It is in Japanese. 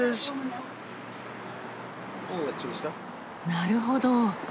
なるほど。